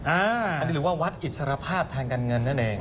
อันนี้หรือว่าวัดอิสรภาพทางการเงินนั่นเอง